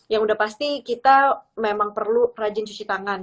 yang udah pasti kita memang perlu rajin cuci tangan